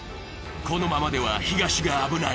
このままでは東が危ない。